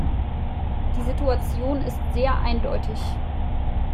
Die Situation ist sehr eindeutig.